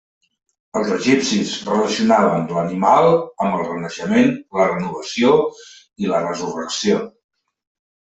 Els egipcis relacionaven l'animal amb el renaixement, la renovació i la resurrecció.